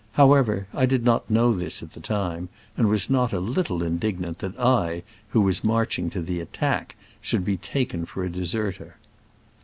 However, I did not know this at the time, and was not a little indignant that I, who was marching to the attack, should be taken for a deserter.